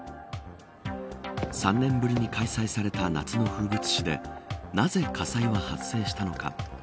３年ぶりに開催された夏の風物詩でなぜ火災は発生したのか。